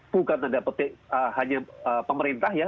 bukan tanda petik hanya pemerintah ya